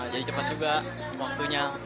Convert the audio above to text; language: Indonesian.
jadi cepat juga waktunya